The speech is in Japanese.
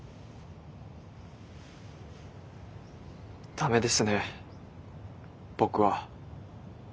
ダメですね僕は。